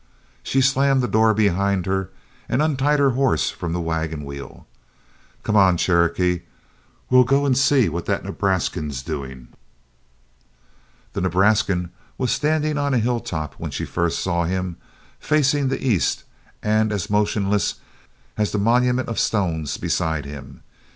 She slammed the door behind her and untied her horse from the wagon wheel. "Come on, Cherokee, we'll go and see what that Nebraskan's doing." The Nebraskan was standing on a hilltop when she first saw him, facing the east and as motionless as the monument of stones beside him.